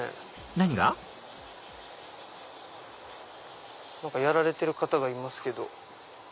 何かやられてる方がいますけど。